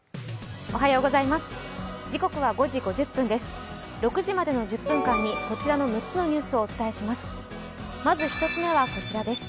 ６時までの１０分間にこちらの６つのニュースをお伝えします。